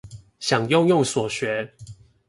想用用所學